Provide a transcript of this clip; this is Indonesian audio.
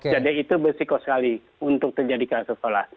jadi itu bersikap sekali untuk terjadi klaster sekolah